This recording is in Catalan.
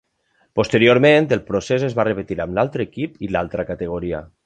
Posteriorment, el procés es va repetir amb l'altre equip i l'altra categoria.